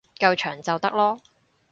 夠長就得囉